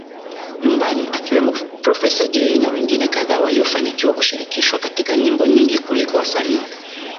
nyumbani akiwemo Profesa Jay na wengine kadhaa waliofanikiwa kushirikishwa katika nyimbo nyingi kuliko wasanii